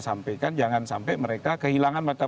sampaikan jangan sampai mereka kehilangan mata